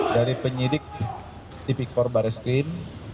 dari penyidik tipik korup barreskrim